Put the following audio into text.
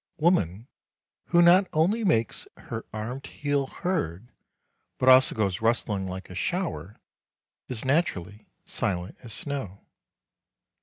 Woman, who not only makes her armed heel heard, but also goes rustling like a shower, is naturally silent as snow.